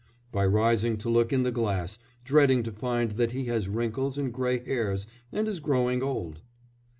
by rising to look in the glass, dreading to find that he has wrinkles and grey hairs and is growing old.